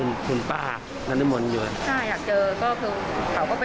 ถ้าอยากเจอก็คือเขาก็เป็นคู่ชีวิตบ้านฝั่งเป็นอยู่ด้วยกันมา